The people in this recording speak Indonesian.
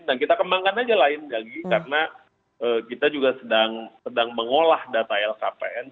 nah kita kembangkan aja lain lagi karena kita juga sedang mengolah data lkpn